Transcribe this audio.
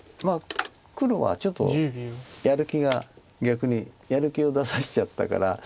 黒はちょっとやる気が逆にやる気を出させちゃったから。